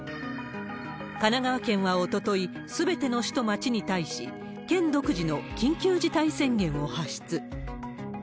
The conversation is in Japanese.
神奈川県はおととい、すべての市と町に対し、県独自の緊急事態宣言を発出。